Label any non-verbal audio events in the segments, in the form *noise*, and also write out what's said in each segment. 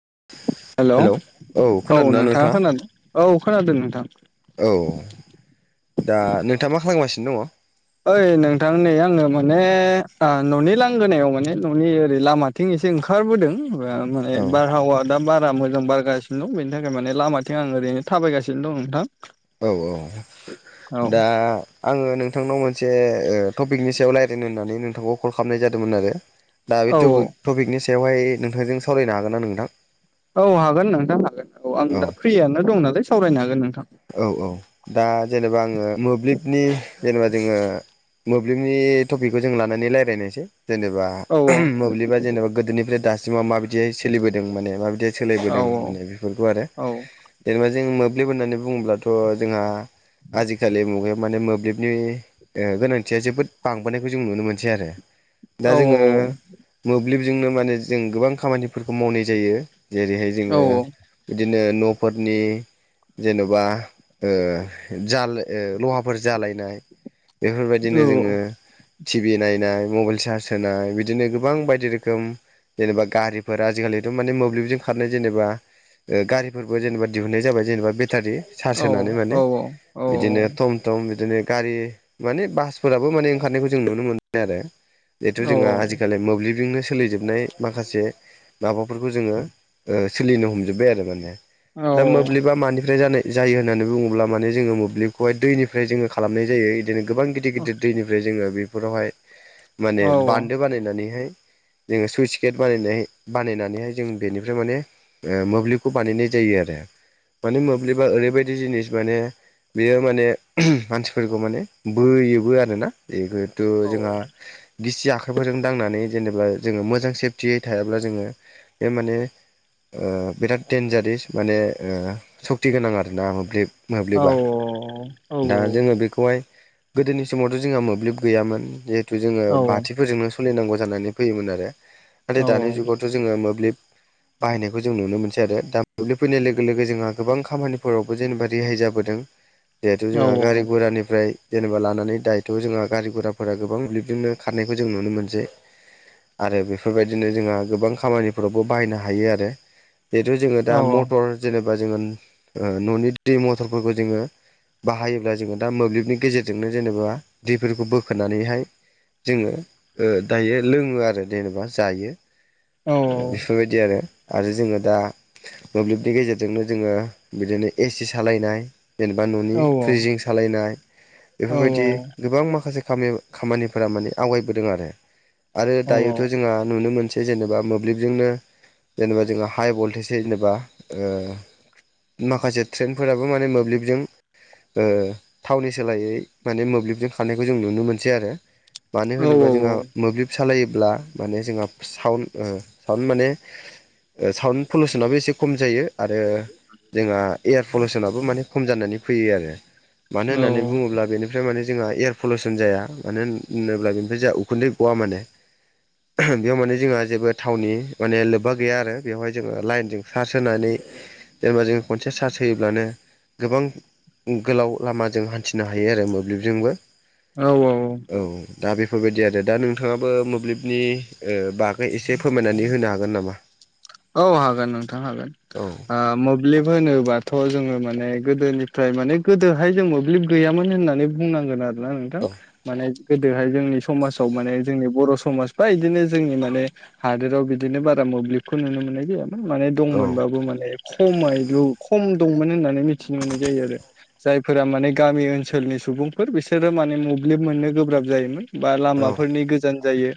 *inaudible* हेल' औ नोंथाङा खोनादों औ खोनादों नोंथां। औ दा नोंथाङा मा खालामगासिनो दङ'। ओइ नोंथां नै आङो माने आ न'नि लांगोनायाव माने न'नि ओरै लामाथिं इसे ओंखारबोदों *unintelligible* माने औ बारहावा दा बारा मो बारगासिनो दं बेनि थाखाय माने लामाथिं आं ओरैनो थाबायगासिनो दं नोंथां। औ औ औ दा आङो नोंथांनाव मोन से ओ टपिकनि सायाव रायलायनो होननानै नोंथांखौ कल खालामनाय जादोंमोन आरो। दा बे औ टपिक टपिकनि सायावहाय नोंथांजों सावरायनो हागोन ना नोंथां? औ हागोन नोंथां हागोन औ आं दा फ्रियानो दं नालाय सावरायनो हागोन नोंथां। औ औ दा जेनेबा आङो मोब्लिबनि जेनेबा जोङो मोब्लिबनि टपिकखौ जों लानानै रायलायनोसै। जेनेबा औ *unintelligible* मोब्लिबा जेनेबा गोदोनिफ्राय दासिमाव माबाय दि सोलिबोदों माने माबायदियै औ सोलिबोदों माने बेफोरखौ आरो औ जेनेबा जों मोब्लिब होननानै बुङोब्लाथ' जोंहा आजिखालि मुगायाव माने मोब्लिबनि ओ गोनांथिया जोबोद बांबोनायखौ जों नुनो मोनसै आरो। दा औ जोङो मोब्लिबजोंनो माने जों गोबां खामानिफोरखौ मावनाय जायो। जेरैहाय औ जोङो बिदिनो न'फोरनि जेन'बा ओ जाल ओ लहाफोर जालायनाय बेफोरबायदिनो जोङो टि भि नायनाय मबाइल सार्स होनाय बिदिनो गोबां बायदि रोखोम जेनेबा गारिफोर आजिखालिथ' माने मोब्लिबजों खारनाय जेनेबा ओ गारिफोरबो जेनेबा दिहुननाय जाबाय जेनेबा बे टारि सार्च होनानै औ माने औ बिदिनो थम थम बिदिनो गारि माने बासफोराबो माने ओंखारनायखौ जों नुनो मोनो आरो। जेथु जोंहा आजिखालि मोब्लिबजोंनो सोलिजोबनाय माखासे माबाफोरखौ जोङो ओ सोलिनो हमजोब्बाय आरो माने। औ। दा मोब्लिबा मानिफ्राय जानाय जायो होननानै बुङोब्ला माने जोङो मोब्लिबखौहाय दैनिफ्राय जोङो खालामनाय जायो। बिदिनो गोबां गिदिर गिदिर दैनिफ्राय जोङो बेफोरावहाय माने औ बान्दो बानायनानैहाय जोङो सुइस गेट बानायनाय बानायनानैहाय जों बेनिफ्राय माने मोब्लिबखौ बानायनाय जाय यो आरो माने मोब्लिबा ओरैबायदि जिनिस माने बेयो माने *unintelligible* मानसिफोरखौ माने बोयोबो आरोना एगो थु औ जोंहा गिसि आख *unintelligible* दांनानै जेनेबा जोङो मोजां सेफटियै थायाब्ला जोङो बे माने ओ बिराद देनजारेस माने ओ सक्ति गोनां आरो ना मोब्लिब औ मोब्लिबा दा जोङो बेखौहाय गोदोनि समावथ' जोंहा मोब्लिब गैयामोन जिहेथु जोङो बाथिफोरजोंनो सोलिनांगौ जानानै फैयोमोन आरो नाथाय दानि जुगावथ' जोङो मोब्लिब बाहायनायखौ जों नुनो मोनसै आरो दा दोब्लि फैनाय लोगो लोगो जोंहा गोबां खामानिफोरावबो जेनेबा रेहाय जाबोदों जिहेथु जोंहा गारि गरानिफ्राय जेनेबा लानानै दायोथ' जोंहा गारि गुराफोरा गोबां मोब्लिबजोंनो खारनायखौ जों नुनो मोनसै। आरो बेफोरबायदिनो जोंहा गोबां खामानिफोरावबो बाहायनो हायो आरो। जिथु जोङो दा मटर जेनेबा जोङो ओ न'नि दै मथरफोरखौ जोङो बाहायोब्ला जोङो दा मोब्लिबनि गेजेरजोंनो जेनेबा दैफोरखौ बोखोननानैहाय जोङो दायो लोङो आरो जेनेबा जायो। बेफोरबायदि आरो आरो जोङो दा मोब्लिबनि गेजेरजोंनो जोङो बिदिनो एसि सालायनाय जेनेबा न'नि हागोन फ्रिजिं सालायनाय बेफोरबायदि गोबां माखासे खामानिफोरा माने आवगायबोदों आरो आरो दायोथ' जोंहा नुनो मोनसै ज जेनेबा मोब्लिबजोंनो जेनेबा जोङो हाइ भल्टेज जेनेबा ओ माखासे ट्रेेनफोराबो माने मोब्लिबजों। ओ थावनि सोलायै माने मोब्लिबजों खारानायखौ जों नुनो मोनसै आरो। मानो होनोब जोंहा मोब्लिब सालायोब्ला माने जोंहा साउन्ड साउन्ड माने साउन्ड पलुसनाबो एसे खम जायो आरो। जोंहा एयार पलुसनाबो माने खम जानानै फैयो आरो मानो होननानै बुङोब्ला बेनिफ्राय माने जोंहा एयार पलिउसन जाया मानो होनोब्ला बेनिफ्राय जोंहा उखुन्दै गवा माने। बेयाव माने जोंहा जेबो थावनि माने लोब्बा गैया आरो बेवहाय जोङो लाइनजों सार्स होनानै जेनेबा जों खनसे सार्स होयोब्लानो गोबां गोलाव लामाजों हान्थिनो हायो आरो मोब्लिबजोंबो। औ औ औ दा बेफोरबायदि आरो दा नोंथाङाबो मोब्लिबनि बागै एसे फोरमायनानै होनो हागोन नामा? औ हागोन नोंथां हागोन। औ मोब्लिब होनोबाथ' जोङो माने गोदोनिफ्राय माने गोदोहाय जों मोब्लिब गैयामोन होननानै बुंनांगोन आरो। नोंथां औ माने गोदोहाय जोंनि समाजाव माने जोंनि बर' समाज बा बिदिनो जोंनि माने हादोराव बिदिनो बारा मोब्लिब खौ नुनो मोननाय जायामोन। माने औ दंमोनबाबो माने खमायल खम दंमोन होननानै मिथिनो मोननाय जायो आरो। जायफोरा माने गामि ओनसोलनि सुबुंफोर बिसोरो माने मोब्लिब मोननो गोब्राब जायोमोन। बा औ लामाफोरनि गोजान जायो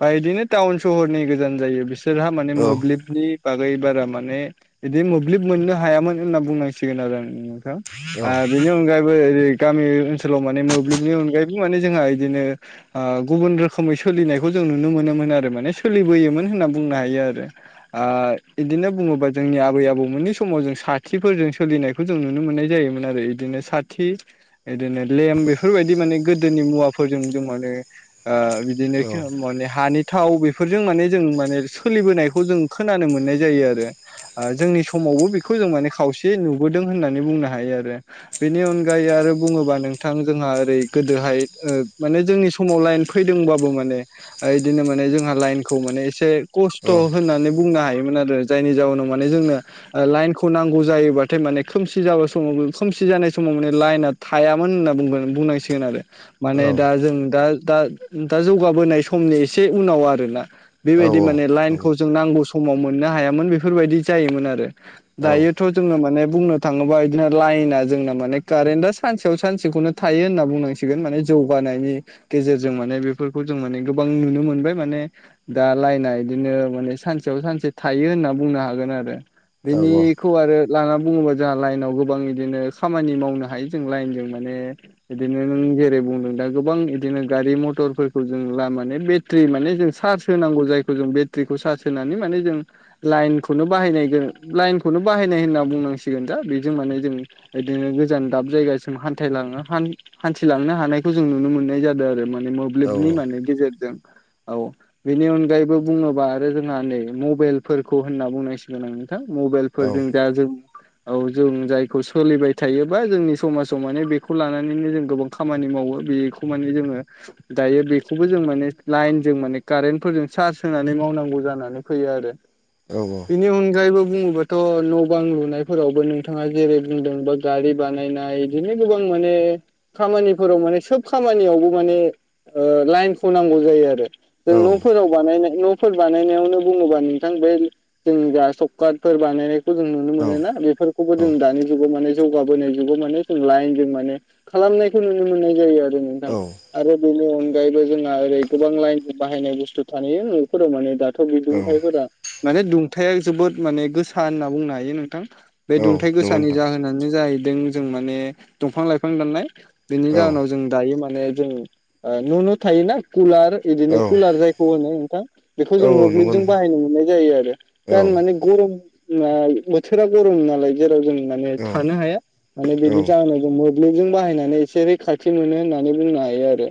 बा बिदिनो टाउन सहरनि गोजान जायो बिसोरहा माने औ मोब नि बागै बारा माने बिदि मोब्लिब मोननो हायामोन होनना बुंनांसिगोन आरो। औ बेनि अनगायैबो ओरै गामि ओनसोलाव माने मोब्लिबनि अनगायैबो माने जोंहा बिदिनो गुबुन रोखोमै सोलिनायखौ जों जों नुनो मोनोमोन आरो माने सोलिबोयोमोन होनना बुंनो हायो आरो। बिदिनो बुङोबा जोंनि आबै आबौमोननि समाव जों साथिफोरजों सोलिनायखौ जों नुनो मोनो। नाय जायोमोन आरो बिदिनो साथि। बिदिनो लेम्प बेफोरबायदि माने गोदोनि मुवाफोरजों जों माने आ औ बिदिनो माने हानि थाव बेफोरजों माने जों माने सोलिबोनाय खौ जों खोनानो मोननाय जायो आरो जोंनि समावबो बेखौ जों माने खावसे नुबोदों होननानै बुंनो नो हायो आरो, बेनि अनगायै आरो बुङोबा नोंथां जोंहा ओरै गोदोहाय ओ माने जों जोंनि समाव लाइन फैदोंबाबो माने इदिनो माने जोंहा लाइनखौ माने एसे खस्थ' होननानै बुंनो हायोमोन आरो जायनि जउनाव माने जोंनो लाइनखौ नांगौ जायोबाथाय माने खोमसि जाबा समाव खोमसि जानाय समाव माने लाइना थायामोन होनना बुंनांसिगोन आरो। औ माने दा जों दा दा दा जौगाबोनाय समनि एसे उनाव आरोना। औ बेबायदि माने लाइनखौ जों नांगौ समाव मोननो हायामोन बेफोरबायदि जायोमोन आरो। औ दायोथ' जोङो माने बुंनो थाङोबा बिदिनो लाइना जोंना माने कारेन्टआ सानसेयाव सानसेखौनो थायो होनना बुंनांसिगोन माने जों जौगानायनि गेजेरजों माने बेफोरखौ जों माने गोबां नुनो मोनबाय माने दा लइना बिदिनो सानसेयाव सानसे थायो होनना बुंनो हागोन आरो। बेनिखौ आरो लाङा बुङोबा जोंहा लाइनाव गोबां बिदिनो खामानि मावनो हायो जों लाइनजों माने बिदिनो नों जेरै बुंदों दा गोबां बिदिनो गारि मथरफोरखौ जों माने बेटारि माने जों चार्ज होनांगौ जायखौ जों बेट्रिखौ चारज होनानै माने जों लाइखौनो बाहायनाय जों, लाइनखौनो बाहायनाय होनना बुंनांसिगोन दा बेजों माने जों बिदिनो गोजान दाब जायगासिम हान्थायलाङो, हान्थिलांनो हानायखौ जों नुनो मोननाय जादों आरो माने मोब्लिबनि औ माने गेजेरजों औ बेनि अनगायैबो बुङोबा आरो जोंहा नै मबाइलफोरखौ होनना बुंनांसिगोन आं नोंथां औ मबाइलफोरजों दा जों औ जों जायखौ सोलिबाय थायोबा जोंनि समाजाव माने बेखौ लानानैनो जों गोबां खामानि मावो। बेखौ माने जोङो दायो बेखौबो जों माने लाइन जों माने कारेन्टफोरजों चार्ज होनानै मावनांगौ गौ जानानै फैयो आरो बिनि अनायैबो बुङोबाथ' न' बां लुनायफोरावबो नोंथाङा जेरै बुंदों बा गारि बानायनाय बिदिनो गोबां माने खामानिफोराव माने सोब खामानियावबो माने ओ लाइनखौ नांगौ जायो आरो। जों न'फोराव बानायनाय न'फोर बानायनायावनो बुङोबा नोंथां बे जोंनि जा सकफोर बानाय जों नुनो मोनोना बेफोरखौबो जों दानि जुगाव माने जौगाबोनाय जुगाव माने जों लाइन जों माने खालामनायखौ नुनो मोननाय जायो आरो। ओम नोंथां आरो बेनि अनगायैबो जोंहा ओरै गोबां लाइनजों बाहायनाय बुस्थु थायो फोराव माने दाथ' बिदुंथाइफोरा माने दुंथाया जोबोद माने गोसा होनना बुंनो हायो नोंथां। बे दुंथाय नंगौ गोसानि नोंथां जाहोनानो जाहैदों जों माने दंफां लाइफां दाननाय बेनि औ जाहोनाव जों दायो माने जों न' न' थायोना कुलार औ बिदिनो कुलार जायखौ होनो नोंथां। बेखौ जों औ मोब्लिब नंगौ जों नोंथां बाहायनो मोननाय जायो आरो, औ दा माने गरम नाय बोथोरा गरम नालाय जेराव जों माने औ थानो हाया, माने बिनि जाहोनाव जों थोंजों बाहायनानै एसे रैखाथि मोनो होननानै बुंनो हायो आरो।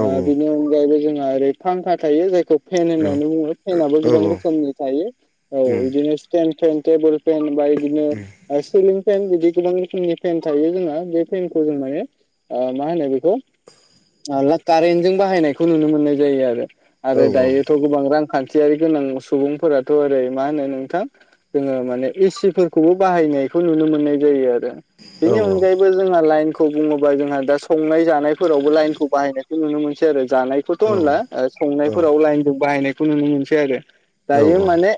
औ बेनि अनगायैबो जोङो ओरै फांखा थायो जायखौ फेन होननानै बुङो फेनाबबो गोबां औ रोखोमनि थायो औ बिदिनो सटेन फेन टेबोल फेन बा बिदिनो सिलिं फेन बिदि गोबां रोखोमनि फेन थायो जोंना बे फेनखौ जों माने मा होनो बेखौ माबा कारेनजों बाहायनायखौ नुनो मोननाय जायो आरो। आरो दायोथ' गोबां रांखान थियारि गोनां सुबुंफोराथ' ओरै मा होनो नोंथां जोङो माने एसि फोरफोरखौबो बाहायनायखौ नुनो मोननाय जायो आरो। औ बेनि औ अनगायैबो जोंहा लाइन खौ बुङोबा जोंहा दा संनाय जानायफोरावबो लाइनखौ बाहायनायखौ नुनो मोनसै आरो। जानायखौथ' औ होनला, संनाय औ बाहायनायखौ नुनो मोनसै आरो। औ दायो माने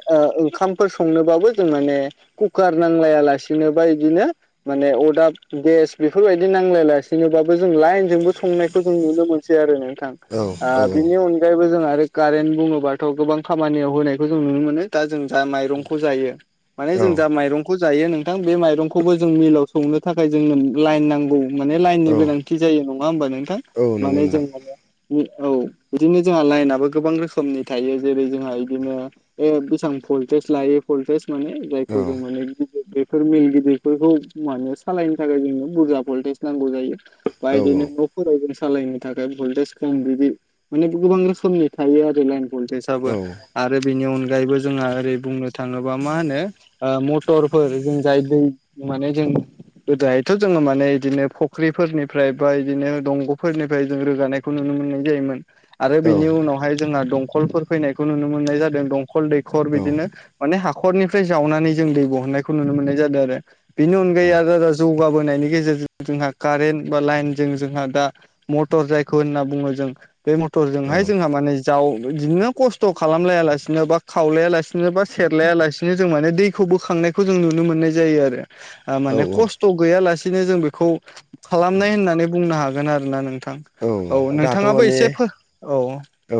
ओंखामफोर संनोबाबो जों माने कुकार नांलायालासिनोबा बिदिनो माने अदाब गेस बेफोरबायदि नांलायलासिनोबबो जों लाइनजोंबो संनायखौ जों नुनो मोसै आरो नोंथां। ओ बिनि औ अगायैबो आरो कारेन्ट बुङोबाथ' गोबां खामानियाव होनायखौ जों नुनो मोनो, दा जों जा माइरंखौ जायो माने औ जों जा माइरंखौ जायो नोंथां बे माइरंखौबो जों मिलाव सौनो थाखाय जोंनो लाइन नांगौ माने लाइननि औ गोनांथि जायो नङा होमबा नोंथां औ नंगौ माने जों नोंथां माने औ बिदिनो जोंहा लाइना गोबां रोखोमनि थायो जेरै जोंहा इदिनो जायहा बेसां भलटेस लायो भलटेस माने औ जायखौ जों माने गिदिर बे फोर मिल गिदिरफोरखौ माने सालायनो थाखाय जोंनो बुरजा भल्टेज नांगौ जायो। औ बायदिनो न' फजों सालायनो थाखाय भल्टेज खम बिदि माने गोबां रोखोमनि थायो आरो लाइन भलटेसाबबो आरो बेनि अनगायैबो जोंहा ओरै बुंनो थाङोबा मा होनो ओ मथरफोर जों जाय दै माने जों गोदोहायथ' जोङो माने बिदिनो फुख्रिफोरनिफ्राय बा बिदिनो दंग'फोरनिफ्राय जों रोगानायखौ नुनो मोन मोननाय जायोमोन आरो बेनि उनावहाय जोंहा दंखलफोर फैनायखौ नुनो मोननाय जादों खल दैखर बिदिनो माने हाखरनिफ्राय जावनानै जों दै बहननायखौ नुनो मोननाय जादों आरो। बिनि अनगायै आद आदाजौ जौगाबोनायनि गेजेरजों जोंहा कारेन्ट बा लाइनजों जोंहा दा मटर जायखौ होनना बुङो जों बे मथरजोंहाय जोंहा माने जाव बिदिनो खस्थ' खालामलाया लासिनो बा खावलाया लासिनो बा सेरलाया लासिनो जों माने दैखौ खौ बोखांनायखौ जों नुनो मोननाय जायो आरो औ माने खस्थ' गैयालासेनो जों बेखौ खालामनाय होननानै बुंनो हागोन आरोना नों नोंथां औ नोंथाङाबो एसे औ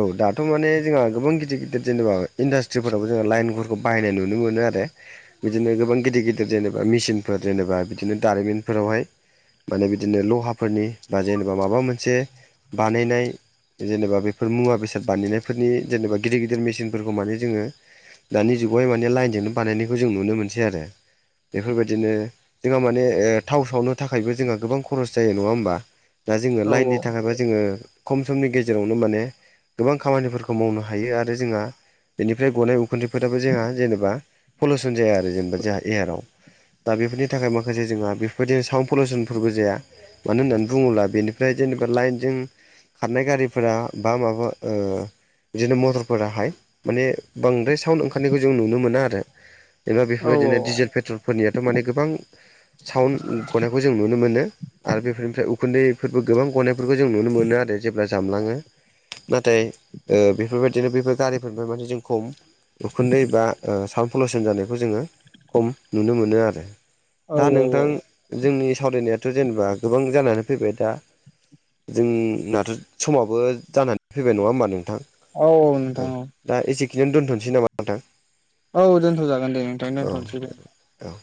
औ दाथ' माने जोंहा गोबां गिदिर गिदिर जेनेबा इन्डास्ट्रिफोरावबो जोना लाइनफोरखौ बाहायनाय नुनो मोनो आरो। बिदिनो गोबां गिदिर गिदिर जेनेबा मिसिनफोर जेनेबा बिदिनो दारिमिनफोरावहाय। माने बिदिनो लहाफोरनि बा जेनेबा माबा मोनसे बानायनाय जेनेबा बे बेफोर मुवा बेसाद बानायनायफोरनि जेनेबा गिदिर गिदिर मेचिनफोरखौ माने जोङो दानि जुगावहाय माने लाइनजोंनो बानायनायखौ जों नुनो मोनसै आरो बेफोरबायदिनो जोंहा माने थाव ओ सावनो थाखायबो जोंहा गोबां खरस जायो नङा होमबा। दा जोङो औ लाइननि थाखायबा जोङो खम समनि गेजेरावनो माने गोबां खामानिफोरखौ मावनो हायो आरो जोंहा बेनिफ्राय गनाय उखुथैफोराबो जोंहा जेनेबा पलुसन जाया आरो जेनेबा जोंहा एयाराव दा बेफोरनि थाखाय माखासे जोंहा बेफोरबायदिनो साउन्ड पलिउसनफोरबो जाया मानो होननानै बुङोब्ला बेनिफ्राय जेनेबा लाइनजों खारनाय गारिफोरा बा माबा बिदिनो मथरफोराहाय माने बांद्राय साउन्ड ओंखारनायखौ जों नुनो मोना आरो जेनेबा औ बेफोरबायदिनो डिजेल पेट्रलफोरनियाथ' माने गोबां साउन्ड गनायखौ जों नुनो मोनो आरो बेफोरनिफ्राय उखुन्दै बे फोरबो गोबां गनायफोरखौ जों नुनो मोनो आरो जेब्ला जामलाङो नाथाय ओ बेफोरबायदिनो बेफोर गारिफोरनिफ्राय माने जों खम उखुन्दै बा साउनद पल सोन जानायखौ जोङो खम नुनो मोनो आरो औ दा औ औ नोंथां जोंनि सावरायनायाथ' जेनेबा गोबां जानानै फैबाय दा जोंनाथ' समावबो जानानै फैबाय नङा होनबा नोंथां। औ नोंथां औ खिनो दोनथ'सै नामा नोंथां। औ दोनथ'जागोन दे नोंथांनो औ दोनथ'नोसै दे। औ